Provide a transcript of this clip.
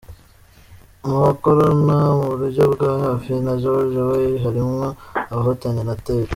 Mu bakorana mu buryo bw ahafi na George Weah harimwo abahotanye na Taylor.